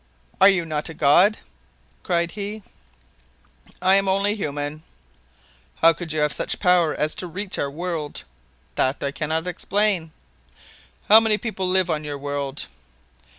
"Are you not a god?" cried he. "I am only human." "How could you have such power as to reach our world?" "That I cannot explain." "How many people live on your world?"